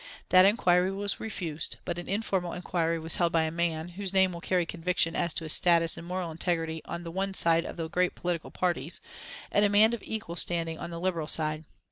That inquiry was refused; but an informal inquiry was held by a man, whose name will carry conviction as to his status and moral integrity on the one side of the great political parties, and a man of equal standing on the Liberal side.